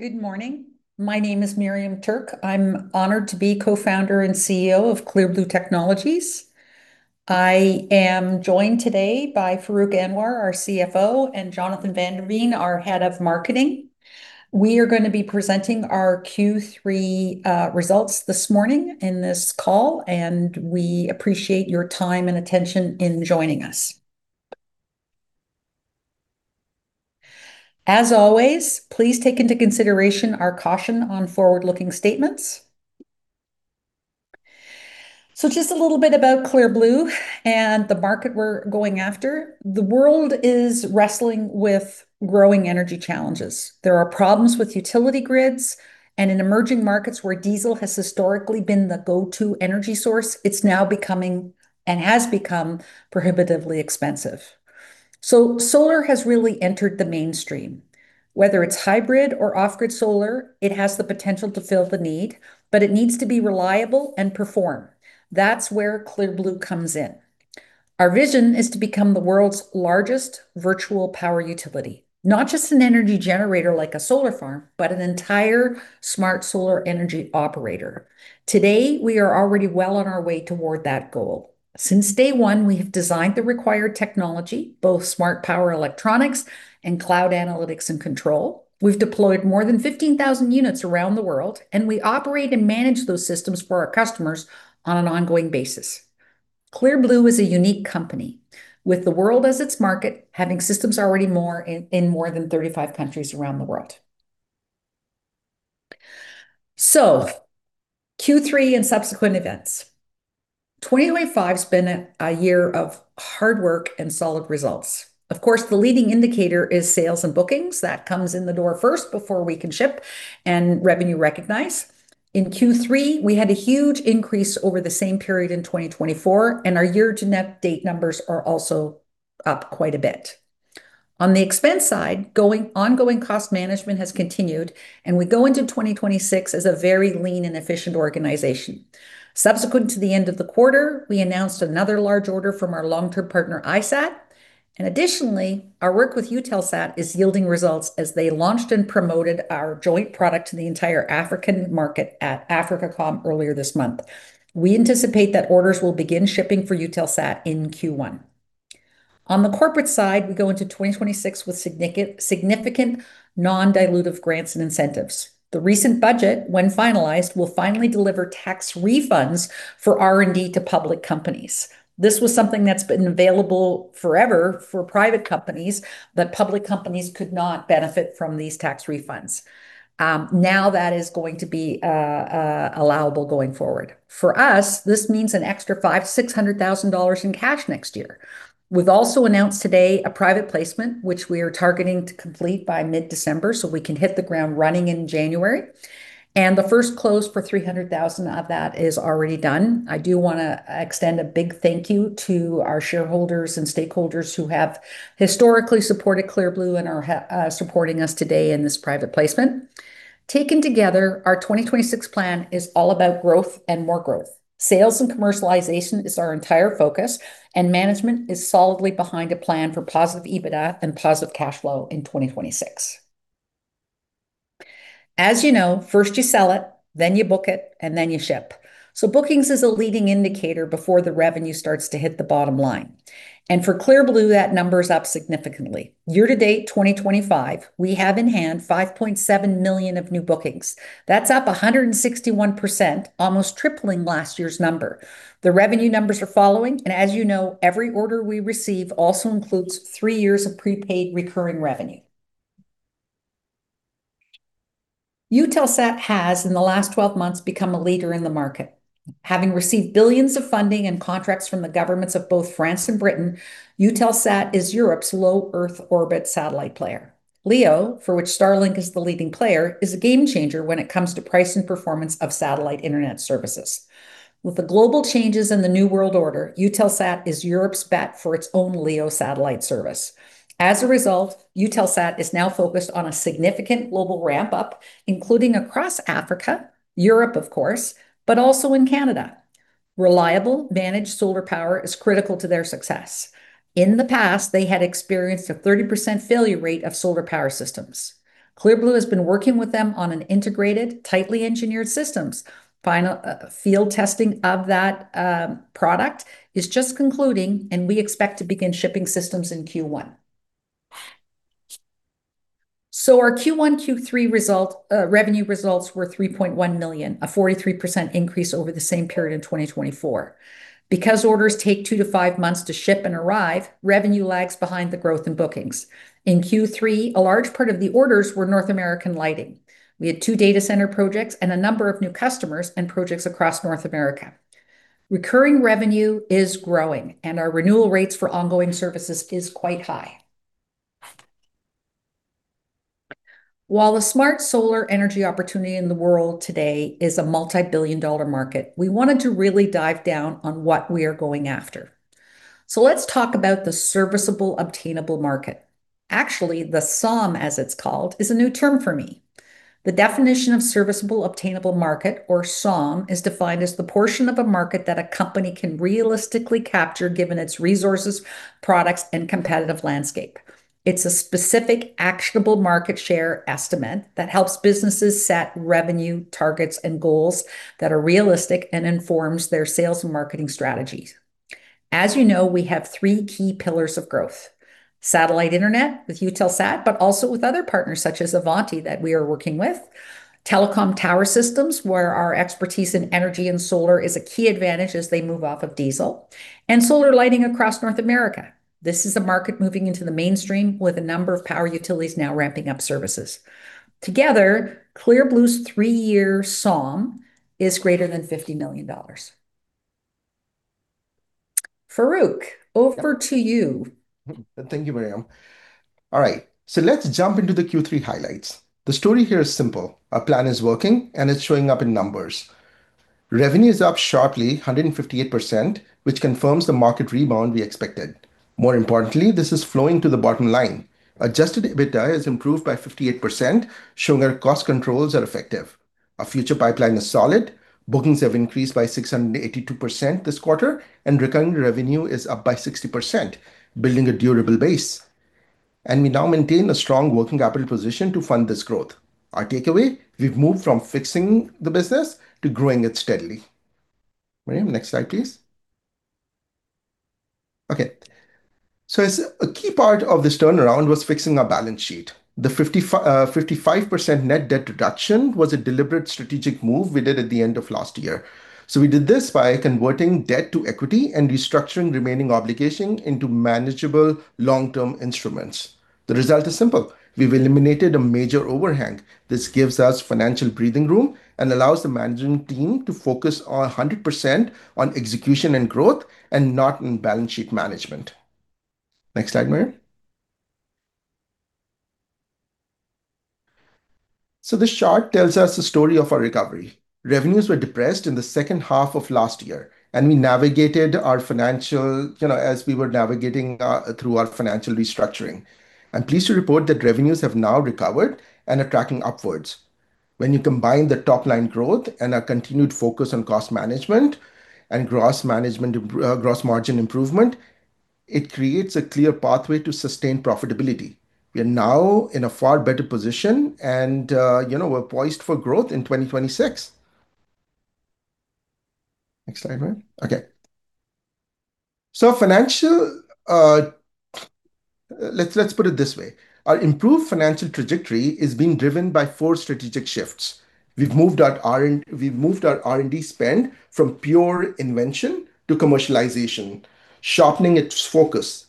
Good morning. My name is Miriam Tuerk. I'm honored to be Co-founder and CEO of Clear Blue Technologies. I am joined today by Farrukh Anwar, our CFO, and Jonathan Benevides, our Head of Marketing. We are going to be presenting our Q3 results this morning in this call, and we appreciate your time and attention in joining us. As always, please take into consideration our caution on forward-looking statements. Just a little bit about Clear Blue and the market we're going after. The world is wrestling with growing energy challenges. There are problems with utility grids, and in emerging markets where diesel has historically been the go-to energy source, it's now becoming, and has become, prohibitively expensive. Solar has really entered the mainstream. Whether it's hybrid or off-grid solar, it has the potential to fill the need, but it needs to be reliable and perform. That's where Clear Blue comes in. Our vision is to become the world's largest virtual power utility, not just an energy generator like a solar farm, but an entire smart solar energy operator. Today, we are already well on our way toward that goal. Since day one, we have designed the required technology, both smart power electronics and cloud analytics and control. We've deployed more than 15,000 units around the world, and we operate and manage those systems for our customers on an ongoing basis. Clear Blue is a unique company, with the world as its market, having systems already in more than 35 countries around the world. Q3 and subsequent events. 2025 has been a year of hard work and solid results. Of course, the leading indicator is sales and bookings. That comes in the door first before we can ship and revenue recognize. In Q3, we had a huge increase over the same period in 2024, and our year-to-date numbers are also up quite a bit. On the expense side, ongoing cost management has continued, and we go into 2026 as a very lean and efficient organization. Subsequent to the end of the quarter, we announced another large order from our long-term partner, iSAT Africa. Additionally, our work with Eutelsat is yielding results as they launched and promoted our joint product to the entire African market at AfricaCom earlier this month. We anticipate that orders will begin shipping for Eutelsat in Q1. On the corporate side, we go into 2026 with significant non-dilutive grants and incentives. The recent budget, when finalized, will finally deliver tax refunds for R&D to public companies. This was something that's been available forever for private companies, but public companies could not benefit from these tax refunds. Now that is going to be allowable going forward. For us, this means an extra 500,000-600,000 dollars in cash next year. We have also announced today a private placement, which we are targeting to complete by mid-December so we can hit the ground running in January. The first close for 300,000 of that is already done. I do want to extend a big thank you to our shareholders and stakeholders who have historically supported Clear Blue and are supporting us today in this private placement. Taken together, our 2026 plan is all about growth and more growth. Sales and commercialization is our entire focus, and management is solidly behind a plan for positive EBITDA and positive cash flow in 2026. As you know, first you sell it, then you book it, and then you ship. Bookings is a leading indicator before the revenue starts to hit the bottom line. For Clear Blue, that number is up significantly. Year to date, 2025, we have in hand 5.7 million new bookings. That's up 161%, almost tripling last year's number. The revenue numbers are following, and as you know, every order we receive also includes three years of prepaid recurring revenue. Eutelsat has, in the last 12 months, become a leader in the market. Having received billions of funding and contracts from the governments of both France and Britain, Eutelsat is Europe's Low Earth Orbit satellite player. LEO, for which Starlink is the leading player, is a game changer when it comes to price and performance of satellite internet services. With the global changes in the new world order, Eutelsat is Europe's bet for its own LEO satellite service. As a result, Eutelsat is now focused on a significant global ramp-up, including across Africa, Europe, of course, but also in Canada. Reliable, managed solar power is critical to their success. In the past, they had experienced a 30% failure rate of solar power systems. Clear Blue has been working with them on integrated, tightly engineered systems. Final field testing of that product is just concluding, and we expect to begin shipping systems in Q1. Our Q1-Q3 revenue results were 3.1 million, a 43% increase over the same period in 2024. Because orders take two to five months to ship and arrive, revenue lags behind the growth in bookings. In Q3, a large part of the orders were North American lighting. We had two data center projects and a number of new customers and projects across North America. Recurring revenue is growing, and our renewal rates for ongoing services are quite high. While a smart solar energy opportunity in the world today is a multi-billion dollar market, we wanted to really dive down on what we are going after. Let's talk about the serviceable obtainable market. Actually, the SOM, as it's called, is a new term for me. The definition of serviceable obtainable market, or SOM, is defined as the portion of a market that a company can realistically capture given its resources, products, and competitive landscape. It's a specific actionable market share estimate that helps businesses set revenue targets and goals that are realistic and informs their sales and marketing strategies. As you know, we have three key pillars of growth: satellite internet with Eutelsat, but also with other partners such as Ivanti that we are working with; telecom tower systems, where our expertise in energy and solar is a key advantage as they move off of diesel; and solar lighting across North America. This is a market moving into the mainstream with a number of power utilities now ramping up services. Together, Clear Blue's three-year SOM is greater than 50 million dollars. Farrukh, over to you. Thank you, Miriam. All right, let's jump into the Q3 highlights. The story here is simple. Our plan is working, and it's showing up in numbers. Revenue is up sharply, 158%, which confirms the market rebound we expected. More importantly, this is flowing to the bottom line. Adjusted EBITDA has improved by 58%, showing our cost controls are effective. Our future pipeline is solid. Bookings have increased by 682% this quarter, and recurring revenue is up by 60%, building a durable base. We now maintain a strong working capital position to fund this growth. Our takeaway: we've moved from fixing the business to growing it steadily. Miriam, next slide, please. A key part of this turnaround was fixing our balance sheet. The 55% net debt reduction was a deliberate strategic move we did at the end of last year. We did this by converting debt to equity and restructuring remaining obligations into manageable long-term instruments. The result is simple. We've eliminated a major overhang. This gives us financial breathing room and allows the management team to focus 100% on execution and growth and not on balance sheet management. Next slide, Miriam. This chart tells us the story of our recovery. Revenues were depressed in the second half of last year, and we navigated our financial, you know, as we were navigating through our financial restructuring. I'm pleased to report that revenues have now recovered and are tracking upwards. When you combine the top-line growth and our continued focus on cost management and gross margin improvement, it creates a clear pathway to sustained profitability. We are now in a far better position, and, you know, we're poised for growth in 2026. Next slide, Miriam. Okay. Financial, let's put it this way. Our improved financial trajectory is being driven by four strategic shifts. We've moved our R&D spend from pure invention to commercialization, sharpening its focus.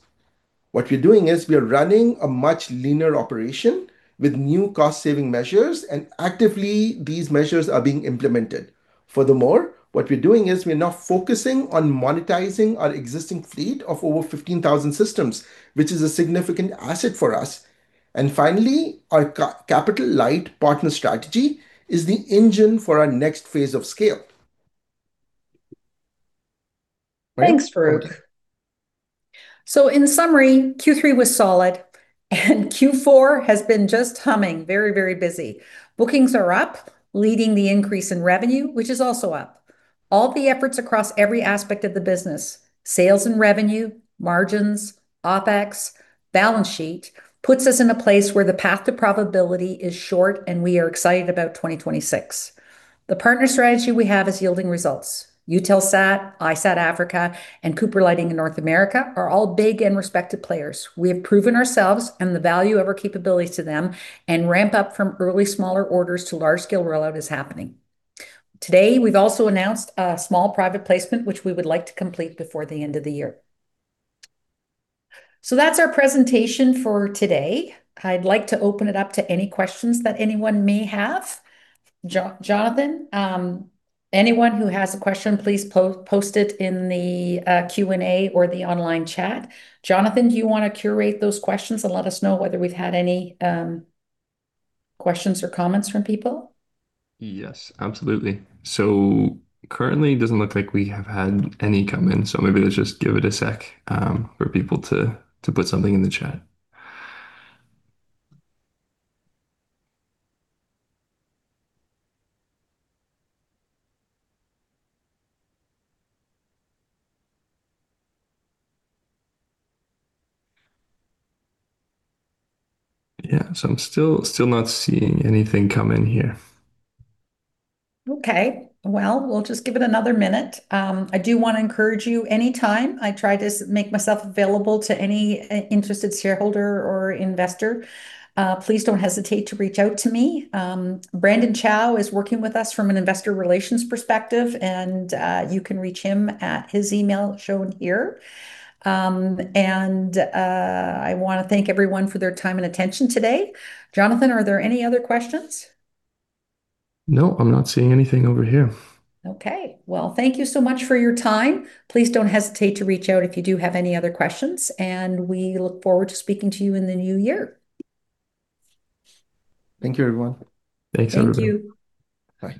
What we're doing is we are running a much leaner operation with new cost-saving measures, and actively, these measures are being implemented. Furthermore, what we're doing is we're now focusing on monetizing our existing fleet of over 15,000 systems, which is a significant asset for us. Finally, our capital-light partner strategy is the engine for our next phase of scale. Thanks, Farrukh. In summary, Q3 was solid, and Q4 has been just humming, very, very busy. Bookings are up, leading the increase in revenue, which is also up. All the efforts across every aspect of the business: sales and revenue, margins, OpEx, balance sheet puts us in a place where the path to profitability is short, and we are excited about 2026. The partner strategy we have is yielding results. Eutelsat, iSat Africa, and Cooper Lighting in North America are all big and respected players. We have proven ourselves and the value of our capabilities to them, and ramp-up from early smaller orders to large-scale rollout is happening. Today, we've also announced a small private placement, which we would like to complete before the end of the year. That is our presentation for today. I'd like to open it up to any questions that anyone may have. Jonathan, anyone who has a question, please post it in the Q&A or the online chat. Jonathan, do you want to curate those questions and let us know whether we've had any questions or comments from people? Yes, absolutely. Currently, it doesn't look like we have had any come in, so maybe let's just give it a sec for people to put something in the chat. Yeah, I'm still not seeing anything come in here. Okay. We'll just give it another minute. I do want to encourage you, anytime I try to make myself available to any interested shareholder or investor, please don't hesitate to reach out to me. Brandon Chow is working with us from an investor relations perspective, and you can reach him at his email shown here. I want to thank everyone for their time and attention today. Jonathan, are there any other questions? No, I'm not seeing anything over here. Okay. Thank you so much for your time. Please don't hesitate to reach out if you do have any other questions, and we look forward to speaking to you in the new year. Thank you, everyone. Thanks, everyone. Thank you. Bye. Bye.